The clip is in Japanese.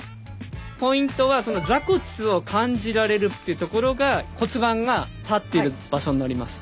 ポイントは座骨を感じられるっていうところが骨盤が立っている場所になります。